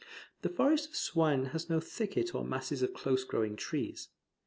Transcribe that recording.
The Forest of Soignies has no thicket or masses of close growing trees.